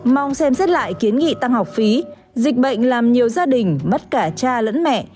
mong xem xét lại kiến nghị tăng học phí dịch bệnh làm nhiều gia đình mất cả cha lẫn mẹ